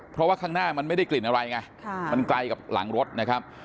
เพราะว่าข้างหน้ามันไม่ได้กลิ่นอะไรไงมันไกลกับหลังรถนะครับ